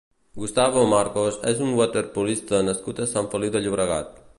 Gustavo Marcos és un waterpolista nascut a Sant Feliu de Llobregat.